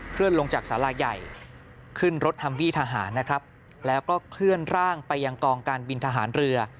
ลงจากสาราใหญ่ขึ้นรถฮัมวี่ทหารนะครับแล้วก็เคลื่อนร่างไปยังกองการบินทหารเรือ